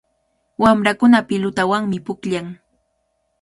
Wamrakuna pilutawanmi pukllan.